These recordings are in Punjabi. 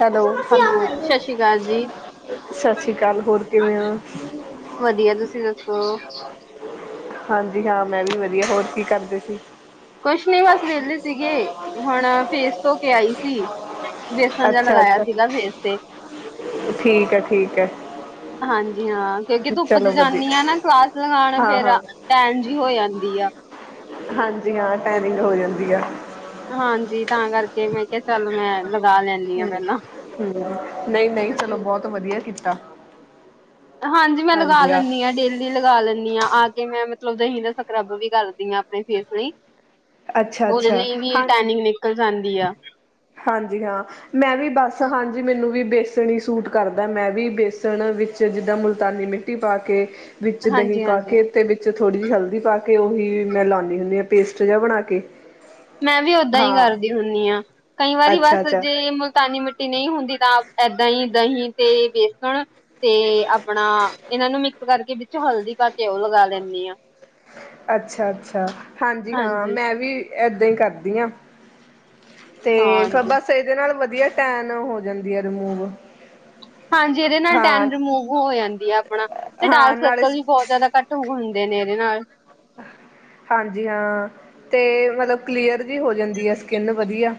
Hello hello. ਸਤਿ ਸ਼੍ਰੀ ਅਕਾਲ ਜੀ, ਸਾਸਸ੍ਰੀਕਾਲ ਹੋਰ ਕਿਵੇਂ ਓ? ਵਧੀਆ ਤੁਸੀ ਦੱਸੋ? ਹਾਂਜੀ, ਹਾਂ ਮੈਂ ਵੀ ਵਧੀਆ ਹੋਰ ਕੀ ਕਰਦੇ ਸੀ? ਕੁਛ ਨੀ ਬਸ ਵੇਲੇ ਸੀਗੇ ਹੁਣ ਫੇਸ ਧੋ ਕੇ ਆਈ ਸੀ। ਵੇਸਣ ਜੇਆ ਅੱਛਾ ਲਗਾਇਆ ਅੱਛਾ ਸੀਗਾ ਫੇਸ ਤੇ। ਠੀਕ ਐ, ਠੀਕ ਐ। ਹਾਂਜੀ, ਹਾਂ। ਕਿਉਂਕਿ ਧੁੱਪ 'ਚ ਜਾਨਿ ਆ ਨਾ ਕਲਾਸ ਲਗਾਣ ਹਾਂ ਫੇਰ ਹਾਂ ਟੈਨ ਜਿ ਹੋ ਜਾਂਦੀ ਆ। ਹਾਂਜੀ ਹਾਂ, ਟੈਨਿੰਗ ਹੋ ਜਾਂਦੀ ਆ। ਹਾਂਜੀ, ਤਾਂ ਕਰਕੇ ਮੈਂ ਕਿਆ ਚੱਲ ਮੈਂ ਲਗਾ ਲੈਂਦੀ ਹਾਂ ਹੁੰ ਪਹਿਲਾਂ। ਹੁੰ, ਨਈ ਨਈ ਚਲੋ ਬੌਤ ਵਧੀਆ ਕੀਤਾ। ਹਾਂਜੀ ਮੈਂ ਲਗਾ ਲੈਂਨੀ ਆਂ ਡੇਲ ਲੀ ਲਗਾ ਲੈਂਨਿ ਆਂ ਆ ਕੇ ਮੈਂ ਮਤਲਬ ਦਹੀਂ ਦਾ ਸਕਰਬ ਵੀ ਕਰਦੀ ਆਂ ਆਪਣੇ ਫੇਸ ਨਈ। ਅੱਛਾ ਓਦੇ ਅੱਛਾ ਲਈ ਵੀ ਹਾਂ ਟੈਨਿੰਗ ਨਿਕਲ ਜਾਂਦੀ ਆ। ਹਾਂਜੀ, ਹਾਂ। ਮੈਂ ਵੀ ਬਸ ਹਾਂਜੀ ਮੈਨੂੰ ਵੀ ਬੇਸਣ ਹੀ ਸੂਟ ਕਰਦਾ ਮੈਂ ਵੀ ਬੇਸਣ ਵਿੱਚ ਜਿੱਦਾਂ ਮੁਲਤਾਨੀ ਮਿੱਟ ਟੀ ਪਾ ਕੇ ਵਿੱਚ ਦਹੀਂ ਪਾ ਹਾਂਜੀ-ਹਾਂਜੀ। ਕੇ ਤੇ ਵਿੱ ਚ ਥੋੜ੍ਹੀ ਜੀ ਹਲਦੀ ਪਾ ਕੇ ਉਹੀ ਮੈਂ ਲਾਨੀ ਹੁੰਨੀ ਆਂ ਪੇਸਟ ਜੇਆ ਬਣਾ ਕੇ। ਮੈਂ ਵੀ ਓਦਾਂ ਹੀ ਹਾਂ ਕਰਦੀ ਹੁੰਨੀ ਆਂ ਕਈ ਵਾਰੀ ਅੱਛਾ ਬਸ ਅੱਛਾ ਜੇ ਮੁਲਤਾਨੀ ਮਿੱਟੀ ਨਈ ਹੁੰਦੀ ਤਾਂ ਏਦਾਂ ਈ ਦਹੀਂ ਤੇ ਵੇਸਣ। ਤੇ ਆਪਣਾ ਇਨਾਂ ਨੂੰ ਮਿਕਸ ਕਰਕੇ ਵਿੱਚ ਹਲਦੀ ਪਾਕੇ ਓ ਲਗਾ ਲੈਂਨੀ ਆਂ। ਅੱਛਾ, ਅੱਛਾ ਹਾਂਜੀ ਹਾਂ, ਮੈਂ ਵੀ ਏਦਾਂ ਈ ਕਰਦੀ ਆਂ। ਤੇ ਫਰ ਹਾਂਜੀ, ਬਸ ਇਦੇ ਨਾਲ ਵਧੀਆ ਟੈਨ ਹੋ ਜਾਂਦੀ ਆ ਰਿਮੂਵ। ਹਾਂਜੀ ਇਦੇ ਨਾਲ ਹਾਂ ਟੈਨ ਰਿਮੂਵ ਹੋ ਜਾਂਦੀ ਆ ਆਪਣਾ ਤੇ ਹਾਂ ਡਾਰਕ ਨਾਲੇ ਸਰਕਲ ਵੀ ਬੌਤ ਜ਼ਿਆਦਾ ਘੱਟ ਹੁੰਦੇ ਨੇ ਇਦੇ ਨਾਲ। ਹਾਂਜੀ, ਹਾਂ ਤੇ ਮਲਬ ਕਲੀਅਰ ਜਿ ਹੋ ਜਾਂਦੀ ਆ ਸਕਿਨ ਵਧੀਆ।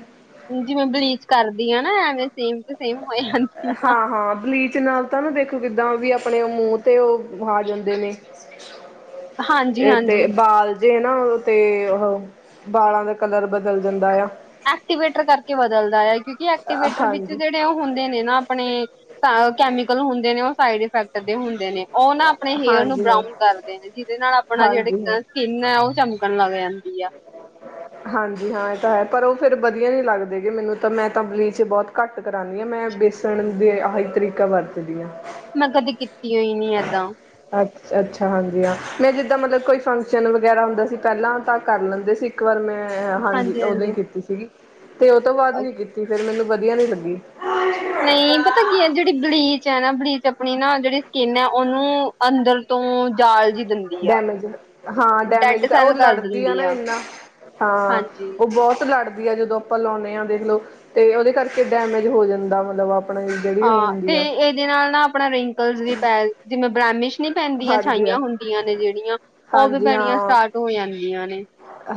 ਜਿਵੇਂ ਬਲੀਚ ਕਰਦੀ ਆ ਨਾ ਐਵੇਂ ਸੇਮ ਟੂ ਸੇਮ ਹੋ ਜਾਂਦੀ ਆ। ਹਾਂ ਹਾਂ, ਬਲੀਚ ਬਲੀਚ ਨਾਲ ਤਾਂ ਨਾ ਦੇਖੋ ਕਿੱਦਾਂ ਵੀ ਆਪਣੇ ਮੂੰਹ ਤੇ ਓ ਆ ਜਾਂਦੇ ਨੇ। ਏ ਹਾਂਜੀ-ਹਾਂਜੀ। ਤੇ ਬਾਲ ਜੇ ਨਾ ਓਦੇ ਤੇ ਉਹ ਵਾਲਾਂ ਦਾ ਕਲਰ ਬਦਲ ਜਾਂਦਾ ਆ। ਐਕਟੀਵੇਟਰ ਕਰਕੇ ਬਦਲਦਾ ਐ ਕਿਉਂਕਿ ਐਕਟੀਵੇਟਰ ਵਿੱਚ ਹਾਂਜੀ ਜੇੜ ਓ ਹੁੰਦੇ ਨੇ ਨਾ ਆਪਣੇ ਕੈਮੀਕਲ ਹੁੰਦੇ ਨੇ ਓ ਸਾਈਡ ਇਫੈਕਟ ਦੇ ਹੁੰਦੇ ਨੇ। ਓ ਨਾ, ਆਪਨੇ ਹੇਅਰ ਨੂੰ ਹਾਂਜੀ ਹਾਂ ਬਰਾਉਨ ਕਰਦੇ ਨੇ, ਜਿਹਦੇ ਨਾਲ ਆਪਣਾ ਜੇਹੜੀ ਹਾਂਜੀ ਹਾਂ ਸਕਿਨ ਐ, ਓ ਚਮਕਣ ਲੱਗ ਜਾਂਦੀ ਆ। ਹਾਂਜੀ ਹਾਂ, ਏਹ ਤਾਂ ਹੈ। ਪਰ ਉਹ ਫੇਰ ਵਧੀਆ ਨੀ ਲੱਗਦੇ ਗੇ ਮੈਨੂੰ ਤਾਂ, ਮੈਂ ਤਾਂ ਬਲੀਚ ਬੌਤ ਘੱਟ ਕਰਾਂਨੀ ਆਂ, ਮੈਂ ਬੇਸਣ ਦੇ ਆਹੀ ਤਰੀਕਾ ਵਰਤਦੀ ਆਂ। ਮੈਂ, ਕਦੇ ਕੀਤੀ ਓਈ ਨੀ ਏਦਾਂ। ਅੱਛ -ਅੱਛਾ, ਹਾਂਜੀ ਹਾਂ। ਮੈਂ ਜਿੱਦਾਂ ਮਤਲਬ ਕੋਈ ਫੰਕਸ਼ਨ ਵਗੈਰਾ ਹੁੰਦਾ ਸੀ, ਪੈਲਾਂ ਤਾਂ ਕਰ ਲੈਂਦੇ ਸੀ, ਇੱਕ ਵਾਰ ਮੈਂ ਹਾਂਜੀ, ਓਦੋਂ ਈ ਕੀਤੀ ਸੀਗੀ ਤੇ ਓ ਤੋਂ ਬਾਦ ਨੀ ਕੀਤੀ ਫੇਰ ਮੈਨੂੰ ਵਧੀਆ ਨੀ ਲੱਗੀ। ਨਈਂ ਪਤਾ ਕੀ ਐ, ਜੇਹੜੀ ਬਲੀਚ ਐ ਨਾ, ਬਲੀਚ ਆਪਣੀ ਨਾ, ਜੇਹੜੀ ਸਕਿਨ ਐ ਓਨੂੰ। ਅੰਦਰ ਤੋਂ, ਜਾਲ ਜੀ ਦਿੰਦੀ ਆ ਡੈਮੇਜ, ਹਾਂ ਡੈਡ ਡੈਮੇਜ, ਤੇ ਓ ਸੈੱਲ ਕਰ ਲੜਦੀ ਐ ਦਿੰਦੀ ਨਾ ਆ ਏਨਾ। ਹਾਂ, ਹਾਂਜੀ ਓ ਬੌਤ ਲੜ ਦੀ ਐ, ਜਦੋਂ ਆਪਾਂ ਲਾਉਂਦੇ ਆਂ ਦੇਖਲੋ, ਤੇ ਓਦੇ ਕਰਕੇ ਡੈਮੇਜ ਹੋ ਜਾਂਦਾ, ਮਤਲਬ ਆਪਨੇ। ਹਾਂ, ਤੇ ਇਦੇ ਨਾਲ ਨਾ, ਆਪਣਾ ਰਿੰਕਲਸ ਵੀ ਪੈ, ਜਿਵੇਂ ਬ੍ਰੈਮਿਸ਼ ਨੀਂ ਪੈਂਦੀਆਂ, ਹਾਂਜੀ ਹਾਂ ਛਾਈਆਂ ਹੁੰਦੀਆਂ ਨੇ, ਜੇਹੜੀਆਂ ਓ ਵੀ ਹਾਂਜੀ ਪੈਨੀਆਂ ਹਾਂ ਸਟਾਰਟ ਹੋ ਜਾਂਦੀਆਂ ਨੇ।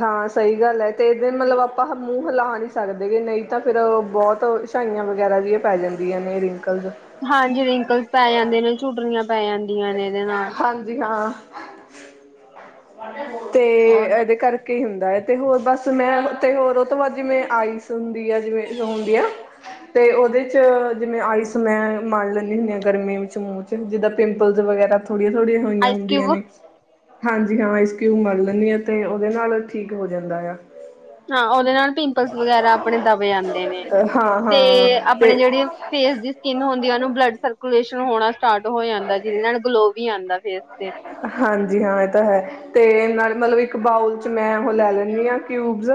ਹਾਂ ਸਈ ਗੱਲ ਐ, ਤੇ ਇਹਦੇ ਮਤਲਬ ਆਪਾਂ ਮੂੰਹ ਹਿਲਾ ਨਈ ਸਕਦੇ ਗੇ ਨਈਂ ਤਾਂ ਫੇਰ ਬੌਤ ਛਾਂਈਆਂ ਵਗੈਰਾ ਵੀ ਪੈ ਜਾਂਦੀਆਂ ਨੇ, ਰਿੰਕਲਸ ਹਾਂਜੀ, ਰਿੰਕਲਸ ਪੈ ਜਾਂਦੇ ਨੇ, ਝੁਟਰੀਆਂ ਪੈ ਜਾਂਦੀਆਂ ਨੇ ਏਹਦੇ ਨਾਲ। ਹਾਂਜੀ ਹਾਂ, ਤੇ ਹੋਰ ਏਹਦੇ ਕਰਕੇ ਹੀ ਹੁੰਦਾ, ਤੇ ਹੋਰ ਬਸ ਮੈਂ ਤੇ, ਹੋਰ ਓ ਤੋਂ ਬਾਅਦ ਜਿਵੇਂ ਆਈਸ ਹੁੰਦੀ ਆ, ਜਿਵੇਂ ਹੁੰਦੀ ਆ ਤੇ, ਓਦੇ ਚ ਜਿਵੇਂ, ਆਈਸ ਮੈਂ ਮਲ ਲੈਂਨੀ ਹੁੰਨੀ ਆਂ ਗਰਮੀ ਵਿੱਚ ਮੂੰਹ 'ਚ, ਜਿੱਦਾਂ ਪਿੰਪਲਜ਼ ਵਗੈਰਾ ਥੋੜੀਆਂ- ਥੋੜੀਆਂ ਹੋਈਆਂ ਆਈਸ ਹੁੰਦੀਆਂ ਕਿਊਬ ਨੇ। ਹਾਂ, ਹਾਂਜੀ ਆਇਸਕਿਊ ਮਲ ਲੈਂਨੀ ਆ, ਤੇ ਉਹਦੇ ਨਾਲ ਠੀਕ ਹੋ ਜਾਂਦਾ ਆ। ਹਾਂ, ਓਦੇ ਨਾਲ ਪਿੰਪਲਸ ਵਗੈਰਾ, ਆਪਣੇ ਦਬ ਜਾਂਦੇ ਨੇ, ਹਾਂ ਤੇ ਹਾਂ ਆਪਣੇ ਤੇ ਜੇਹੜੀ ਫੇਸ ਦੀ ਸਕਿੰਨ ਹੁੰਦੀ ਐ ਓਨੂੰ ਬਲੱਡ ਸਰਕੂਲੇਸ਼ਨ ਹੋਣਾ ਸਟਾਰਟ ਹੋ ਜਾਂਦਾ, ਜਿਦੇ ਨਾਲ ਗਲੋ ਵੀ ਆਂਦਾ ਫੇਰ ਤੇ ਹਾਂਜੀ, ਹਾਂ ਏਹ ਤਾਂ ਹੈ, ਤੇ ਨਾਲ ਮਤਲਬ ਇੱਕ ਬਾਊਲ ਚ ਮੈਂ ਓ ਲੈ ਲੈਂਨੀਂ ਆ ਕਿਊਬਸ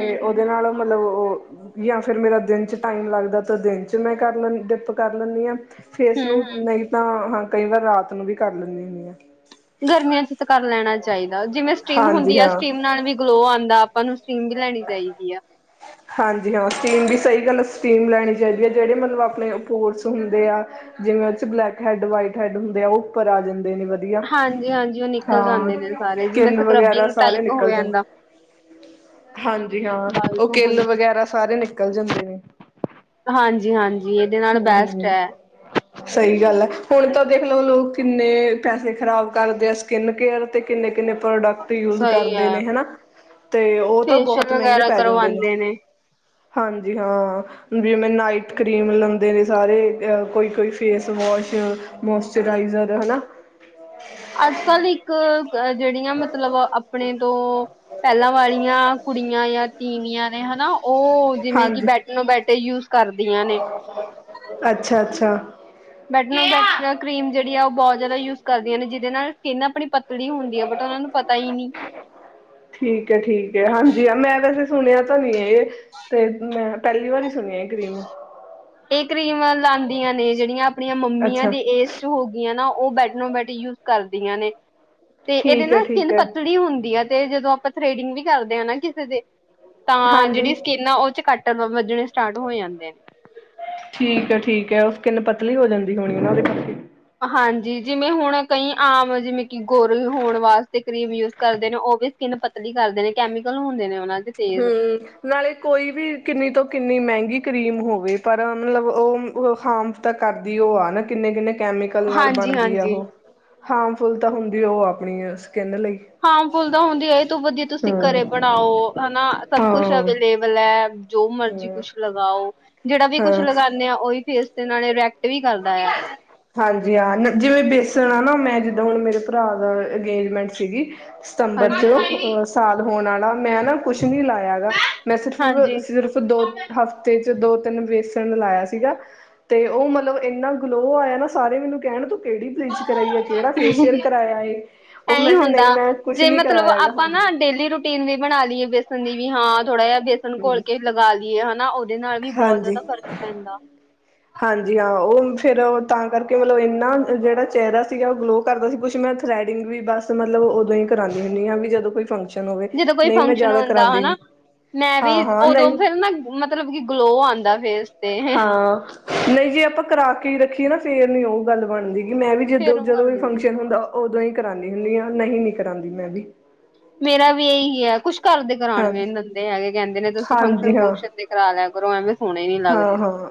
ਹੂੰ ਹੂੰ ਓਦੇ ਨਾਲ ਮਤਲਬ, ਓ ਯਾ ਫੇਰ ਮੇਰਾ ਦਿਨ 'ਚ ਟਾਈਮ ਲੱਗਦੈ ਤਾਂ ਦਿਨ 'ਚ ਮੈਂ ਕਰ ਲੈ ਡਿਪ ਕਰ ਲੈਂਨੀ ਆਂ। ਫੇਰ ਹੂੰ ਇਸਨੂੰ ਹੂੰ ਨਈ ਤਾਂ ਹਾਂ ਕਈ ਵਾਰ ਰਾਤ ਨੂੰ ਵੀ ਕਰ ਲੈਂਨੀ ਹੁੰਨੀ ਆਂ। ਗਰਮੀਆਂ ਚ ਤਾਂ ਕਰ ਲੈਣਾ ਚਾਈਦਾ, ਜਿਵੇਂ ਸਟੀਮ ਹਾਂਜੀ ਹੁੰਦੀ ਐ, ਹਾਂ ਸਟੀਮ ਨਾਲ ਵੀ ਗਲੋ ਆਂਦਾ। ਆਪਾਂ ਨੂੰ ਸਟੀਮ ਵੀ ਲੈਣੀ ਚਾਈਦੀ ਆ। ਹਾਂਜੀ ਹਾਂ, ਸਟੀਮ ਵੀ ਸਹੀ ਗੱਲ ਸਟੀਮ ਲੈਣੀ ਚਾਈਦੀ ਐ ਜੇਹੜੇ ਮਤਲਬ ਆਪਣੇ ਪੋਰਸ ਹੁੰਦੇ ਆ ਜਿਵੇਂ ਓ ਚ ਬਲੈਕ ਹੈੱਡ, ਵਾਈਟ ਹੈਡ ਹੁੰਦੇ ਆ, ਓ ਉੱਪਰ ਆ ਜਾਂਦੇ ਨੇ। ਵਧੀਆ, ਹਾਂਜੀ-ਹਾਂਜੀ, ਉਹ ਨਿਕਲ ਹਾਂ ਜਾਂਦੇ ਨੇ ਸਾਰੇ ਜਿਵੇਂ ਕਿਲ ਵਗੈਰਾ ਸਕ੍ਰਬਿੰਗ ਸਾਰੇ ਟਾਈਪ ਹੋ ਨਿਕਲ ਜਾਂਦਾ। ਜਾਂਦੇ। ਹਾਂਜੀ ਹਾਂ, ਬਾਲ ਓ ਚੋਂ ਕਿੱਲ ਹਾਂਜੀ। ਵਗੈਰਾ, ਸਾਰੇ ਨਿਕਲ ਜਾਂਦੇ ਨੇ। ਹਾਂਜੀ -ਹਾਂਜੀ। ਹਮ- ਹਮ। ਸਈ ਗੱਲ ਐ, ਹੁਣ ਤਾਂ ਦੇਖ ਲਓ ਲੋਕ ਕਿੰਨੇ ਪੈਸੇ ਖ਼ਰਾਬ ਕਰਦੇ ਆ, ਸਕਿੰਨ ਕੇਅਰ ਤੇ, ਕਿੰਨੇ- ਕਿੰਨੇ ਪ੍ਰੋਡਕਟ ਯੂਜ ਸਹੀ ਕਰਦੇ ਐ। ਨੇ, ਹਨਾ ਤੇ ਓ ਤਾਂ ਫੇਸ਼ੀਅਲ ਬਹੁਤ ਮੈੰਹੰਗੇ ਵਗੈਰਾ ਪੈ ਜਾਂਦੇ ਨੇ। ਕਰਵਾਂਦੇ ਹਾਂਜੀ ਹਾਂ, ਜਿਵੇਂ ਨਾਈਟ ਕਰੀਮ, ਲ ਦੇ, ਨੇ ਸਾਰੇ ਕੋਈ ਕੋਈ ਫੇਸ ਵੋਸ਼, ਮੋਸਚਰਾਈਜ਼ਰ ਹਨਾ ਅੱਜ -ਕੱਲ੍ਹ, ਇੱ ਇੱਕ, ਜੇਹੜੀਆਂ ਮਤਲਬ, ਆਪਣੇ ਤੋਂ ਪੈਲਾਂ ਵਾਲੀਆਂ ਕੁੜੀਆਂ ਯਾ ਤੀਵੀਆਂ ਨੇ ਹਨਾ, ਓ ਜਿਵੇਂ ਕਿ ਹਾਂਜੀ ਬੈਟਨੋ ਬੈਟ ਯੂਜ ਕਰਦੀਆਂ ਨੇ। ਹ ਅੱਛਾ ਅੱਛਾ ਬੈਟ ਨੋ ਬੈ ਟ ਕਰੀਮ ਜੇੜੀ ਆ ਉਹ ਬੋਤ ਜ਼ਿਆਦਾ ਯੂਜ ਕਰਦੀਆਂ ਨੇ ਜਿਹਦੇ ਨਾਲ ਸਕਿੰਨ ਆਪਣੀ ਪਤਲੀ ਹੁੰਦੀ ਆ ਬਟ ਉਹ ਨੂੰ ਪਈਨੀ ਠੀਕ ਹੈ ਠੀਕ ਹੈ ਹਾਂਜੀ ਹ ਮੈਂ ਵੈਸੇ ਸੁਣਿਆ ਤਾਂ ਨੀ ਇਹ ਤੇ ਮੈਂ ਪੈਲੀ ਵਾਰੀ ਸੁਣਿਆ ਇਹ ਕਰੀਮ ਇਹ ਕਰੀਮ ਲਾਦੀਆਂ ਨੇ ਜਿਹੜੀਆਂ ਆਪਣੀਆਂ ਮੰਮੀਆਂ ਦੇ ਅੱਛਾ ਇਸ ਹੋ ਗੀਆਂ ਨਾ ਉਹ ਬੈਟਨੋ ਬੈਟ ਯੂਜ ਕਰਦੀਆਂ ਨੇ ਤੇ ਇਹਦੇ ਠੀਕ ਹੈ ਨਾ ਠੀਕ ਸਕਿਨ ਹੈ ਪਤਲੀ ਹੁੰਦੀ ਆ ਤੇ ਜਦੋਂ ਆਪਾਂ ਥਰੈਡਿੰਗ ਵੀ ਕਰਦੇ ਹ ਨਾ ਕਿਸੇ ਦੇ ਤਾਂ ਹਾਂਜੀ ਜਿਹੜੀ ਸਕਿੰਨ ਆ ਉਹ ਚ ਕੱਟ ਵੱਜਣੇ ਸਟਾਰਟ ਹੋ ਜਾਂਦੇ ਨੇ ਠੀਕ ਹੈ ਠੀਕ ਹੈ ਉ ਸ ਕਿੰਨ ਪਤਲੀ ਹੋ ਜਾਂਦੀ ਹੋਣੀ ਉਹਦੇ ਕਰਕੇ ਹਾਂਜੀ ਜਿਵੇਂ ਹੁਣ ਕਈ ਆਮ ਜਿਵੇਂ ਕਿ ਗੋਰੇ ਹੋਣ ਵਾਸਤੇ ਕਰੀਮ ਕਰਦੇ ਨੇ ਉਹ ਵੀ ਸਕਿੰਨ ਪਤਲੀ ਕਰਦੇ ਨੇ ਕੈਮੀਕਲ ਹੁੰਦੇ ਨੇ ਉਹਨਾਂ ਦੇ ਤੇਜ਼ ਹਮ ਨਾਲੇ ਕੋਈ ਵੀ ਕਿੰਨੀ ਤੋਂ ਕਿੰਨੀ ਮਹਿੰਗੀ ਕਰੀਮ ਹੋਵੇ ਪਰ ਮਤਲਬ ਉਹ ਹਾਰਮ ਤਾਂ ਕਰਦੀ ਉਹ ਆ ਨਾ ਕਿੰਨੇ ਕਿੰਨੇ ਕੈਮੀਕਲ ਨਾਲ ਹਾਂਜੀ ਬਣਦੀ ਆ ਹਾਂਜੀ ਉਹ ਹਾਰਮਫੁੱਲ ਤਾਂ ਹੁੰਦੀ ਆ ਉਹ ਆਪਣੀ ਸਕਿੰਨ ਲਈ ਹਾਂਮ ਫੁਲ ਤਾ ਹੁੰਦੀ ਏ, ਇਹਤੋ ਵਧੀਆ ਤੁਸੀਂ ਘਰੇ ਹਮ ਬਣਾਓ ਹਨਾ, ਸਭ ਕੁਛ ਹਾਂ ਅਵੇਲੇਬਲ ਹੈ। ਜੋ ਮਰਜੀ ਹਮ ਕੁਛ ਲਗਾਓ, ਜੇੜਾ ਵੀ ਕੁੱਛ ਹਾਂ ਲਗਾਨੇ ਆ, ਉਹੀ ਫੇਸ ਤੇ ਨਾਲੇ ਰੇਕਟ ਏ ਵੀ ਕਰਦਾ ਆ। ਹਾਂਜੀ, ਹ ਜਿਵੇਂ ਬੇਸਣ ਆ ਨਾ, ਮੈਂ ਜਿੱਦੋ ਹੁਣ ਮੇਰੇ ਭਰਾ ਦਾ ਅੰਗੇਜਮੈਂਟ ਸੀਗੀ। ਸਤੰਬਰ ਹਾਂਜੀ ਚ, ਹਾਂਜੀ ਅ ਸਾਲ ਹੋਣ ਵਾਲਾ, ਮੈਂ ਨਾ ਕੁਛ ਨੀ ਲਾਇਆ ਹੈਗਾ, ਮੈਂ ਸਿਰਫ- ਹਾਂਜੀ ਸਿਰਫ ਦੋ-ਹਫ਼ਤੇ ਚ ਦੋ -ਤਿੰਨ ਬੇਸਣ ਲਾਇਆ ਸੀਗਾ, ਤੇ ਉਹ ਮਤਲਬ ਇੰਨਾ ਗਲੋ ਆਇਆ ਨਾ, ਸਾਰੇ ਮੈਨੂੰ ਕਹਿਣ ਤੂੰ ਕਿਹੜੀ ਬਲੀਚ ਕਰਾਈ ਹੈ। ਕਿਹੜਾ ਫੇਸ਼ੀਅਲ ਕਰਵਾਾਇਆ ਹ?, ਉਹ ਐਹੀ ਮੈਂ ਕਿਹਾ ਨਹੀਂ, ਹੁੰਦਾ ਮੈਂ ਕੁਛ ਨੀ ਕਰਾਇਆ ਹੈਗਾ ਹਾਂਜੀ। ਪਿੰਨੀ ਬਣਾ ਲਈਏ ਬੇਸਨ ਦੀ ਵੀ ਹਾਂ, ਥੋੜਾ ਜਿਹਾ ਬੇਸਨ ਘੋਲ ਹਮ ਕੇ ਲਗਾ ਲਈਏ ਹਨਾ। ਦੇ ਨਾਲ ਵੀ ਬੋਤ ਹਾਂਜੀ ਜ਼ਿਆਦਾ ਫ਼ਰਕ ਪੈਂਦਾ। ਹਾਂਜੀ- ਹਾਂ, ਉਹ ਫਿਰ ਤਾਂ ਕਰਕੇ ਮਤਲਬ ਇੰਨਾ ਜਿਹੜਾ ਚਿਹਰਾ ਸੀਗਾ, ਉਹ ਗਲੋ ਕਰਦਾ ਸੀ, ਕੁਛ ਮੈਂ ਥੈਰੇਡਿਂਗ ਵੀ ਬਸ ਮਤਲਬ ਉਦੋਂ ਹੀ ਕਰਾਨੀ ਹੁੰਨੀ ਹਾਂ, ਵੀ ਜਦੋਂ ਕੋਈ ਫੰਕਸ਼ਨ ਹੋਵੇ ਜਦੋਂ ਕੋਈ ਨਹੀਂ ਮੈਂ ਫੰਕਸ਼ਨ ਜ਼ਿਆਦਾ ਹੁੰਦਾ ਕਰਾਉਂਦੀ ਹਨਾ। ਨੀ ਮੈਂ ਵੀ ਹਾਂ ਹਾਂ ਉਦੋਂ ਨਹੀਂ ਫਿਰ ਨਾ, ਮਤਲਬ ਕਿ ਗਲੋ ਆਂਦਾ ਫੇਸ ਤੇ। ਹਾਂ। ਨਹੀਂ ਜੇ ਆਪਾਂ ਕਰਾ ਕੇ ਹੀ ਰੱਖੀਏ ਨਾ, ਫੇਰ ਨੀ ਉਹ ਗੱਲ ਬਣਦੀ, ਕਿ ਮੈਂ ਵੀ ਜਦੋਂ- ਫੇਰ ਉਹ ਜਦੋਂ ਗੱਲ ਕੋਈ ਨੀ ਫੰਕਸ਼ਨ ਹੁੰਦਾ। ਉਦੋਂ ਹੀ ਕਰਾਂਦੀ ਹੁੰਦੀ ਹਾਂ, ਨਹੀਂ-ਨੀ ਕਰਾਦੀ ਮੈਂ ਵੀ। ਮੇਰਾ ਵੀ ਇਹੀ ਹੈ, ਕੁਛ ਘਰ ਦੇ ਕਰਾਣ ਵੀ ਹਾਂਜੀ ਨੀ ਦੰਦੇ ਹੈਗੇ, ਕਹਿੰਦੇ ਨੇ ਤੁਸੀਂ ਫੰਕਸ਼ਨ- ਹਾਂਜੀ ਹਾਂ ਫੁਕਸ਼ਨ ਦੇ ਕਰਾ ਲਿਆ ਕਰੋ, ਐਵੇਂ ਸੋਣੇ ਨੀ ਲੱਗਦੇ। ਹਾਂ-ਹਾਂ,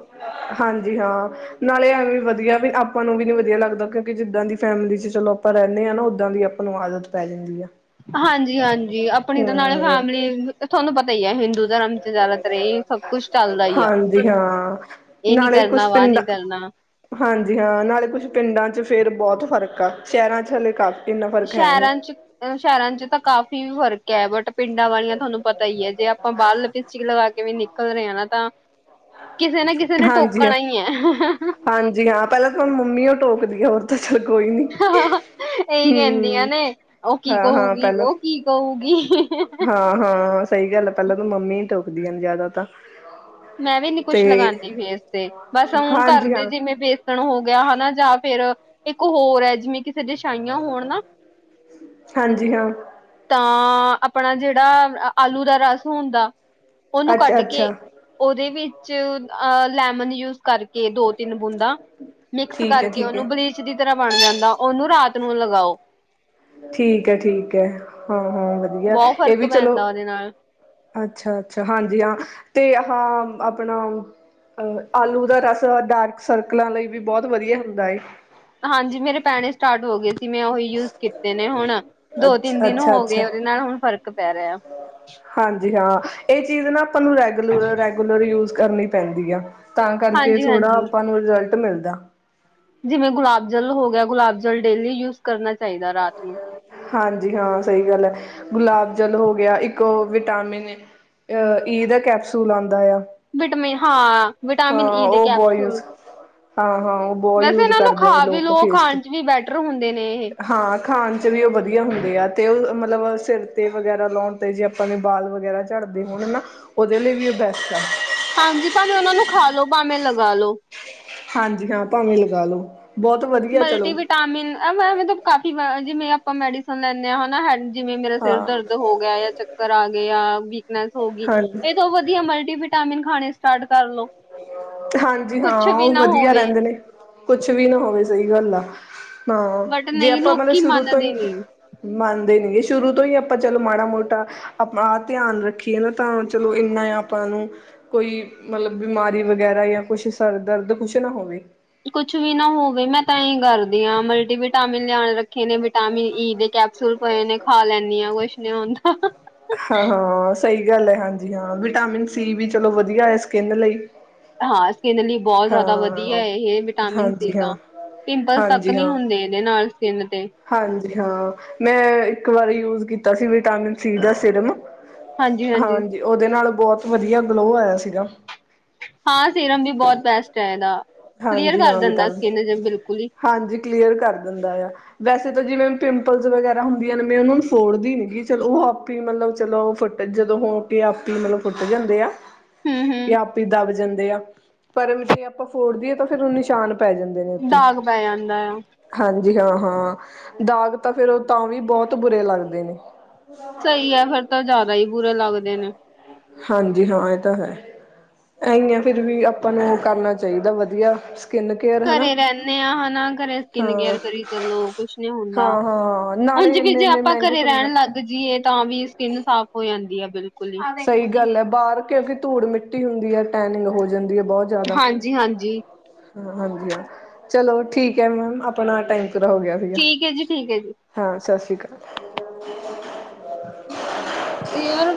ਹਾਂਜੀ- ਹਾਂ। ਨਾਲੇ ਐਂਵੇ ਵੀ ਵਧੀਆ ਬਈ, ਆਪਾਂ ਨੂੰ ਵੀ ਨਹੀਂ ਵਧੀਆ ਲਗਦਾ, ਕਿਓਂ ਕੀ ਜਿੱਦਾਂ ਦੀ ਫੈਮਿਲੀ ਚ ਚਲੋ ਆਪਾਂ ਰਹਿੰਦੇ ਹਾਂ ਨਾ, ਓਹਦਾ ਦੀ ਆਪ ਹੋਣ ਆਦਤ ਪੈ ਜਾਂਦੀ ਹੈ। ਹਾਂਜੀ- ਹਾਂਜੀ ਆਪਣੀ ਤਾਂ ਨਾਲੇ ਫੈਮਿਲੀ, ਤੁਹਾਨੂੰ ਪਤਾ ਹੀ ਹੈ ਹਿੰਦੂ ਧਰਮ ਚ ਇਹ ਹੀ ਸਭ ਕੁੱਛ ਚੱਲਦਾ, ਹੀ ਆ। ਹਾਂਜੀ ਹਾਂ। ਇਹ ਨੀ ਨਾਲੇ ਕੁਛ ਕਰਨਾ, ਵਾਹ ਪਿੰਡਾਂ ਨੀ ਕਰਨਾ ਹਾਂਜੀ ਹਾਂ, ਨਾਲੇ ਕੁਛ ਪਿੰਡਾਂ ਚ ਫੇਰ ਬੋਤ ਫ਼ਰਕ ਆ, ਸ਼ਹਿਰਾਂ ਚ ਹਲੇ ਕਾਫੀ ਇੰਨਾ ਫ਼ਰਕ ਹੈ ਨੀ। ਸ਼ਹਿਰਾਂ ਚ, ਸ਼ਹਿਰਾਂ ਚ ਤਾਂ ਕਾਫੀ ਫਰਕ ਕਹਿਵਟ ਪਿੰਡਾਂ ਵਾਲੀਆਂ ਤੁਹਾਨੂੰ ਪਤਾ ਹੀ ਹੈ, ਜੇ ਆਪਾਂ ਬਾਹਰ ਲਪਿਸਟਿਕ ਲਗਾ ਕੇ ਵੀ ਨਿਕਲ ਰਹੇ ਹ ਨਾ ਤਾਂ ਕਿਸੇ ਨਾ, ਕਿਸੇ ਨੇ ਹਾਂਜੀ ਹਾਂ, ਟੋਕਣਾ ਹੀ ਹੈ। ਹਾਂਜੀ ਹਾਂ, ਪਹਿਲਾਂ ਤਾਂ ਮੰਮੀ ਉਹ ਟੋਕਦੀ ਆ, ਹੋਰ ਤਾਂ ਚਲ ਕੋਈ ਨੀ। ਇਹੀ ਕਹਿੰਦੀਆਂ ਹੂੰ, ਨੇ ਉਹ ਕੀ ਹਾਂ-ਹਾਂ ਕਹੂਗੀ ਪਹਿਲਾਂ ਉਹ ਕੀ ਕਹੂਗੀ ਹਾਂ- ਹਾਂ। ਸਹੀ ਗੱਲ ਹੈ, ਪਹਿਲਾਂ ਤਾਂ ਮੰਮੀ ਹੀ ਟੋਕਦੀਆਂ ਜ਼ਿਆਦਾ ਤਾਂ। ਮੈਂ ਵੀ ਨੀ ਕੁੱਛ ਤੇ ਲਗਾਉਂਦੀ ਫੇਸ ਤੇ, ਬਸ ਉਹ ਹਾਂਜੀ ਘਰਦੀ ਹਾਂ ਜਿਵੇਂ ਬੇਸ ਸਣ ਹੋ ਗਿਆ ਹਨਾ ਜਾਂ ਫੇਰ, ਇੱਕ ਹੋਰ ਹੈ ਜਿਵੇਂ ਕਿਸੇ ਦੇ ਛਾਈਆਂ ਹੋਣ ਨਾ ਹਾਂਜੀ- ਹਾਂ। ਤਾਂ ਆਪਣਾ ਜਿਹੜਾ ਆਲੂ ਦਾ ਰਸ ਹੁੰਦਾ, ਉਹਨੂੰ ਅੱਛਾ ਕੱਢ ਕੇ ਅੱਛਾ ਉਹਦੇ ਵਿੱਚ ਅ ਲੈਮਨ ਜੂਸ ਕਰਕੇ ਦੋ- ਤਿੰਨ ਬੂੰਦਾ, ਮਿਕਸ ਠੀਕ ਹੈ ਕਰਕੇ ਠੀਕ ਹੈ ਉਹਨੂੰ ਬਲੀ ਬਲੀਚ ਦੀ ਤਰਾਂ ਬਣ ਜਾਂਦਾ, ਉਹਨੂੰ ਰਾਤ ਨੂੰ ਲਗਾਓ। ਠੀਕ ਹੈ- ਠੀਕ ਹੈ, ਹਾਂ-ਹਾਂ ਵਧੀਆ, ਬਹੁਤ ਇਹ ਫ਼ਰਕ ਵੀ ਚਲੋ ਪੈਂਦਾ ਉਹਦੇ ਨਾਲ ਅੱਛ -ਅੱਛਾ, ਹਾਂਜੀ- ਹਾਂ, ਤੇ ਹਾਂ ਆਪਣਾ ਅ-ਆਲੂ ਦਾ ਰਸ, ਡਾਰਕ ਸਰਕਲਾਂ ਲਈ ਵੀ, ਬਹੁਤ ਵਧੀਆ ਹੁੰਦਾ ਹੈ। ਹਾਂਜੀ, ਮੇਰੇ ਪੈਣੇ ਸਟਾਰਟ ਹੋ ਗਏ। ਕਿ ਮੈਂ ਉਹੀ ਯੂਜ ਕੀਤੇ ਨੇ ਹੁਣ, ਦੋ -ਤਿੰਨ ਅੱਛਾ ਦਿਨ ਅੱਛਾ ਹੋ ਅੱਛਾ ਗਏ, ਉਹਦੇ ਨਾਲ ਹੁਣ ਫ਼ਰਕ ਪੈ ਰਿਹਾ। ਹਾਂਜੀ -ਹਾਂ, ਇਹ ਚੀਜ਼ ਨਾ ਆਪਾਂ ਨੂੰ ਰੈਗੂ- ਰੈਗੂਲਰ ਯੂਜ ਕਰਨੀ ਪੈਂਦੀ ਆ। ਤਾਂ ਕਰਕੇ ਹਾਂਜੀ ਥੋੜਾ, ਹਾਂਜੀ ਆਪਾਂ ਨੂੰ ਰਿਜਲਟ ਮਿਲਦਾ। ਜਿਵੇਂ ਗੁਲਾਬ ਜਲ ਹੋ ਗਿਆ, ਗੁਲਾਬ ਜਲ ਡੇਲੀ ਯੂਜ ਕਰਨਾ ਚਾਹੀਦਾ ਰਾਤ ਨੂੰ। ਹਾਂਜੀ -ਹਾਂ, ਸਹੀ ਗੱਲ ਹੈ, ਗੁਲਾਬ ਜਲ ਹੋ ਗਿਆ ਇੱਕ ਓਹ ਵਿਟਾਮਿਨ ਅਹ, ਈ ਦਾ ਕੈਪਸੂਲ ਆਂਦਾ ਐ ਆ। ਵਿਟਾਮਿਨ ਹਾਂ, ਵਿਟਾਮਿਨ ਹਾਂ ਈ ਦੇ ਉਹ ਬਹੁਤ ਯੂਜ ਕੈਪਸੂਲ। ਹਾਂ ਹਾਂ ਉਹ ਬਹੁਤ ਵੈਸੇ ਯੂਜ ਇਹਨਾਂ ਨੂੰ ਕਰਦੇ ਨੇ ਖਾ ਵੀ ਲੋਕ ਲੋਓ, ਫੇਸ ਤੇ ਖਾਣ ਚ ਵੀ ਬੈਟਰ ਹੁੰਦੇ ਨੇ। ਇਹ ਹਾਂ। ਖਾਣ 'ਚ ਵੀ ਉਹ ਵਧੀਆ ਹੁੰਦੇ ਆ, ਤੇ ਉਹ ਮਤਲਬ ਸਿਰ 'ਤੇ ਵਗੈਰਾ ਲਾਉਣ 'ਤੇ, ਜੇ ਆਪਾਂ ਨੇ ਬਾਲ ਵਗੈਰਾ ਝੜਦੇ ਹੋਣ ਨਾ ਉਹਦੇ ਲਈ ਵੀ ਉਹ ਬੈਸਟ ਆ। ਹਾਂਜੀ ਭਾਵੇਂ ਉਹਨਾਂ ਨੂੰ ਖਾ ਲੋ, ਭਾਵੇਂ ਲਗਾ ਲੋ। ਹਾਂਜੀ ਹਾਂ, ਭਾਵੇਂ ਲਗਾ ਲੋ, ਬਹੁਤ ਵਧੀਆ ਚਲੋ। ਏ ਮੈਂ ਮੇਤੋਂ ਕਾਫ਼ੀ ਵਾਰ ਜਿਵੇਂ ਆਪਾਂ ਮੈਡੀਸਨ ਲੈਂਦੇ ਹਾਂ ਹਨਾ ਹੈ ਜਿਵੇਂ ਮੇਰਾ ਸਿਰ ਹਾਂ ਦਰਦ ਹੋ ਗਿਆ ਯਾਂ ਚਕ ਚੱਕਰ ਆ ਗਿਆ, ਵੀਕਨੈਸ ਹੋ ਗਈ, ਹਾਂਜੀ ਇਹ ਤੋਂ ਵਧੀਆ ਮਲਟੀਵਟਾਮਿਨ ਖਾਣੇ ਸਟਾਰਟ ਕਰ ਲੋ। ਹਾਂਜੀ ਕੁਛ ਹਾਂ ਵੀ ਉਹ ਨਾ ਵਧੀਆ ਹੋਵੇ ਰਹਿੰਦੇ ਨੇ, ਕੁਛ ਵੀ ਨਾ ਹੋਵੇ ਸਹੀ ਗੱਲ ਆ। ਹਾਂ ਬਟ ਜੇ ਨਹੀਂ ਆਪਾਂ ਮਤਲਬ ਲੋਕੀ ਸ਼ੁਰੂ ਤੋਂ ਹੀ ਮੰਨਦੇ ਨੀ ਮੰਨਦੇ ਨੀ ਗੇ ਸ਼ੁਰੂ ਤੋਂ ਹੀ ਆਪਾਂ ਚਲੋ ਮਾੜਾ- ਮੋਟਾ ਅਪਾ ਧਿਆਨ ਰੱਖੀ ਕੀ ਏ ਨਾ ਤਾਂ ਚਲੋ ਇੰਨਾ ਆਪਾਂ ਨੂੰ ਕੋਈ ਮਲਬ ਬਿਮਾਰੀ ਵਗੈਰਾ ਜਾਂ ਕੁਛ ਸਰ ਦਰਦ ਕੁਛ ਨਾ ਹੋਵੇ। ਕੁਛ ਵੀ ਨਾ ਹੋਵੇ ਮੈਂ ਤਾਂ ਇਹੀ ਕਰਦੀ ਹਾਂ ਮਲਟੀਵਿਟਾਮਿਨ ਲਿਆ ਰੱਖੇ ਨੇ ਵਿਟਾਮਿਨ ਈ ਦੇੈ ਕੈਂਪ- ਕੈਪਸੂਲ ਪਏ ਨੇ ਖਾ ਲੈਂਦੀ ਹਾਂ ਕੁਛ ਨੀ ਹੁੰਦਾ। ਹਾਂ- ਹਾਂ ਸਹੀ ਗੱਲ ਹੈ ਹਾਂਜੀ ਹਾਂ ਵਿਟਾਮਿਨ ਸੀ ਵੀ ਚਲੋ ਵਧੀਆ ਹੈ ਸਕਿੰਨ ਲਈ। ਹਾਂ ਸਕਿੰਨ ਲਈ ਬਹੁਤ ਜ਼ਿਆਦਾ ਵਧੀਆ ਹਾਂ ਹੈ, ਇਹ ਵਿਟਾਮਿਨ ਸੀ ਹਾਂਜੀ ਹਾਂ ਤਾਂ ਪਿੰਪਲ ਤੱਕ ਹਾਂਜੀ ਨਹੀਂ ਹਾਂ ਹੁੰਦੇ। ਐ ਦੇ ਨਾਲ ਸਕਿੰਨ ਤੇ। ਹਾਂਜੀ ਹਾਂ ਮੈਂ ਇੱਕ ਵਾਰੀ ਯੂਜ ਕੀਤਾ ਸੀ ਵਿਟਾਮਿਨ ਸੀ ਦਾ ਸਿਰਮ। ਹਾਂਜੀ ਉਹਦੇ ਨਾਲ ਬਹੁਤ ਵਧੀਆ ਗਲੋ ਆਇਆ ਸੀਗਾ। ਹਾਂ ਸੀਰਮ ਵੀ ਬਹੁਤ ਬੈਸਟ ਹੈ ਇਹਦਾ ਕਲੀਅਰ ਹਾਂਜੀ ਕਰ ਹਾਂ ਦਿੰਦਾ ਵਿਟਾਮਿਨ ਸਕਿਨ ਬਿਲਕੁਲ ਹੀ। ਹਾਂਜੀ ਕਲੀਅਰ ਕਰ ਦਿੰਦਾ ਯਾਂ। ਵੈਸੇ ਤਾਂ ਜਿਵੇਂ ਪਿੰਪਲਸ ਵਗੈਰਾ ਹੁੰਦੀਆਂ ਨੇ ਮੈਂ ਉਹਨਾਂ ਨੂੰ ਫੋੜਦੀ ਨਗੀ ਚਲੋ ਉਹ ਆਪੇ ਹੀ ਮਤਲਬ ਚਲੋ ਫੱਟ। ਜਦੋਂ ਹੋਂਕੇ ਆਪੇ ਈ, ਮਤਲਬ ਫੁੱਟ ਜਾਂਦੇ ਆ ਹਮ ਇਹ ਹਮ ਆਪੇ ਹੀ ਦੱਬ ਜਾਂਦੇ ਆ, ਪਰ ਜੇ ਆਪਾਂ ਫੋੜਦੀਏ ਤਾਂ ਫਿਰ ਉਹ ਨਿਸ਼ਾਨ ਪੈ ਜਾਂਦੇ ਨੇ, ਉੱਤੇ। ਦਾਗ ਪੈ ਜਾਂਦਾ ਆ ਹਾਂਜੀ, ਹਾਂ-ਹਾਂ ਦਾਗ ਤਾਂ ਫਿਰ ਉਹ ਤਾਂ ਵੀ ਬਹੁਤ ਬੁਰੇ ਲੱਗਦੇ ਨੇ। ਸਹੀ ਆ, ਫੇਰ ਤਾ ਜ਼ਿਆਦਾ ਹੀ ਬੁਰੇ ਲੱਗਦੇ ਨੇ। ਹਾਂਜੀ-ਹਾਂ, ਇਹ ਤਾ ਹੈ। ਐਂਹੀ ਆ ਫਿਰ ਵੀ, ਆਪਾਂ ਨੂੰ ਓ ਕਰਨਾ ਚਾਹੀਦਾ ਵਾ‌ ਵਧੀਆ ਸਕਿੰਨ ਕੇਅਰ ਹਨਾ ਘਰੇ ਰਹਿੰਣੇ ਆ ਹਨਾ, ਘਰੇ ਸਕਿੰਨ ਕੇਅਰ ਹਾਂ ਕਰੀ ਚਲੋ ਕੁਛ ਨੀ ਹੁੰਦਾ। ਹਾਂ-ਹਾਂ ਨਾਲੇ ਉਂਜ ਵੀ ਜੇ ਇੰਨੇ-ਇੰਨੇ ਆਪਾਂ ਮਹਿੰਗੇ ਘਰੇ ਰਹਿਣ ਪ੍ਰੋਡਕਟ ਲੱਗ ਜੀਏ, ਤਾਂ ਵੀ ਸਕਿੰਨ ਸਾਫ਼ ਹੋ ਜਾਂਦੀ ਆ, ਬਿਲਕੁਲ। ਹੀ। ਸਹੀ ਗੱਲ ਆ, ਬਾਹਰ ਕਿਉਂਕਿ ਧੂੜ-ਮਿੱਟੀ ਹੁੰਦੀ ਹੈ, ਟੈਨਿੰਗ ਹੋ ਜਾਂਦੀ ਹੈ ਬਹੁਤ ਹਾਂਜੀ-ਹਾਂਜੀ। ਹਾਂਜੀ-ਹਾਂ, ਚਲੋ ਠੀਕ ਹੈ ਮੈਮ ਆਪਣਾ ਟਾਈਮ ਪੂਰਾ ਹੋਗਿਆ। ਠੀਕ ਐ ਜੀ, ਠੀਕ ਐ ਜੀ। ਹਾਂ, ਸਤਿ ਸ਼੍ਰੀ ਅਕਾਲ। [inaudible] ਏ ਯਾਰ